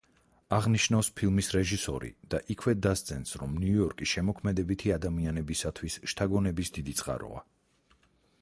აღნიშნავს ფილმის რეჟისორი და იქვე დასძენს რომ ნიუ-იორკი შემოქმედებითი ადამიანებისათვის შთაგონების დიდი წყაროა.